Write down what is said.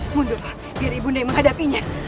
mundurlah biar ibunda yang menghadapinya